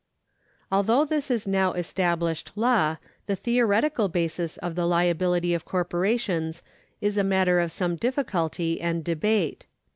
^ Although this is now established law, the theoretical basis of the liability of corporations is a matter of some difficulty and debate.